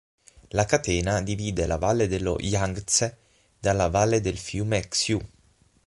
La catena divide la valle dello Yangtze dalla valle del fiume Xiu.